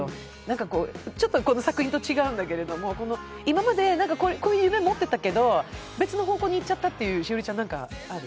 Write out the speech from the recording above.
ちょっとこの作品と違うんだけれども今までこういう夢を持っていたけれど、別の方向にいっちゃったって栞里ちゃん、ある？